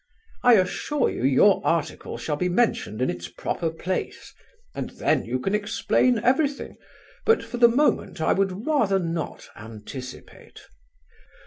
I assure you your article shall be mentioned in its proper place, and you can then explain everything, but for the moment I would rather not anticipate.